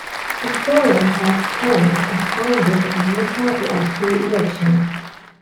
The Forum had plans of founding a new party after the elections.